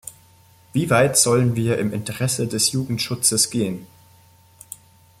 Wie weit sollen wir im Interesse des Jugendschutzes gehen?